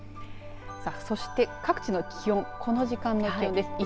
そして各地の気温この時間の気温です。